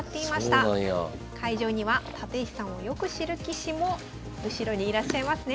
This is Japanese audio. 会場には立石さんをよく知る棋士も後ろにいらっしゃいますね。